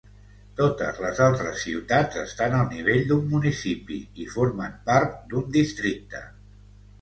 Totes les altres ciutats estan al nivell d'un municipi i formen part d'un districte.